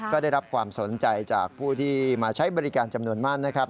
ก็ได้รับความสนใจจากผู้ที่มาใช้บริการจำนวนมากนะครับ